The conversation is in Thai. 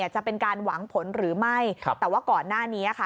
จะเป็นการหวังผลหรือไม่แต่ว่าก่อนหน้านี้ค่ะ